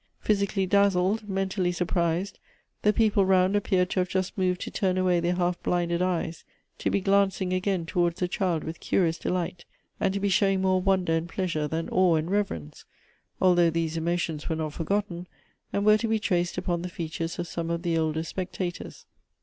Physi cally dazzled, mentally surprised, the jieople round appeared to have just moved to turn away their half blinded eyes, to be glancing again towards the child with curious delight, and to be showing more wonder and pleasure than awe and reverence, — although these emo tions were not forgotten, and were to be traced upon the features of some of the older spectators.